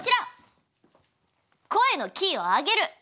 声のキーをあげる。